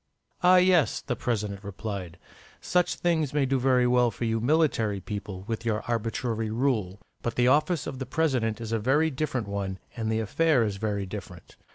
"Ah yes," the President replied, "such things may do very well for you military people, with your arbitrary rule. But the office of a President is a very different one, and the affair is very different.